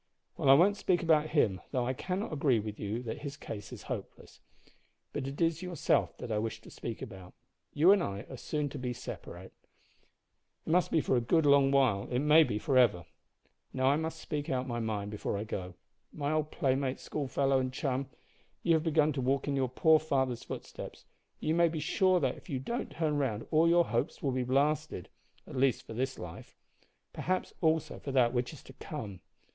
"Well, I won't speak about him, though I cannot agree with you that his case is hopeless. But it is yourself that I wish to speak about. You and I are soon to separate; it must be for a good long while it may be for ever. Now I must speak out my mind before I go. My old playmate, school fellow, and chum, you have begun to walk in your poor father's footsteps, and you may be sure that if you don't turn round all your hopes will be blasted at least for this life perhaps also for that which is to come.